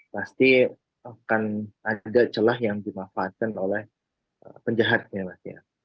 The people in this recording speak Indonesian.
pasti akan ada celah yang dimanfaatkan oleh penjahatnya